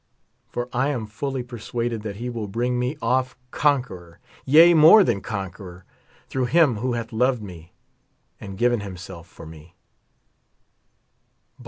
For I am fully persuaded that he will bring me off conqueror ; yea, more than conqueror, through him who hath loved me and given himself for me.